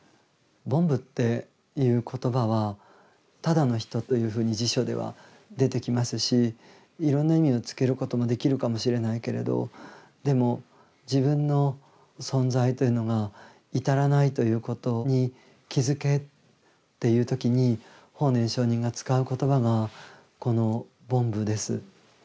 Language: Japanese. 凡夫っていう言葉はただの人というふうに辞書では出てきますしいろんな意味をつけることもできるかもしれないけれどでも自分の存在というのが至らないということに気付けっていう時に法然上人が使う言葉がこの凡夫です。